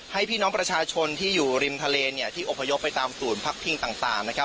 ให้พี่น้องประชาชนที่อยู่ริมทะเลที่อพยพไปตามศูนย์พักพิงต่างนะครับ